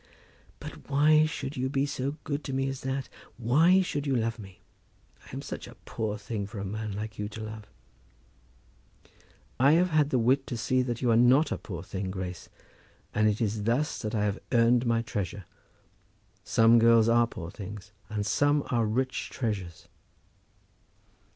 "But why should you be so good to me as that? Why should you love me? I am such a poor thing for a man like you to love." "I have had the wit to see that you are not a poor thing, Grace; and it is thus that I have earned my treasure. Some girls are poor things, and some are rich treasures."